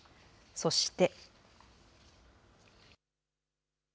そして。